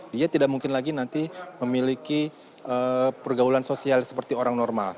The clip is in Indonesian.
dia tidak mungkin lagi nanti memiliki pergaulan sosial seperti orang normal